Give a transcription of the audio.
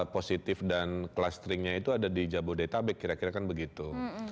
positif dan clusteringnya itu ada di jabodetabek kira kira kan begitu